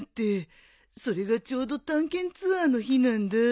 それがちょうど探検ツアーの日なんだ。